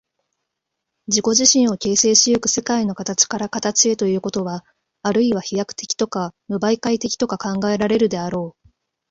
自己自身を形成し行く世界の形から形へということは、あるいは飛躍的とか無媒介的とか考えられるであろう。